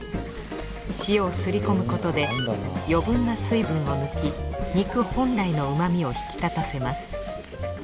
塩を擦り込むことで余分な水分を抜き肉本来の旨みを引き立たせます。